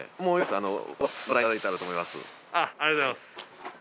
ありがとうございます。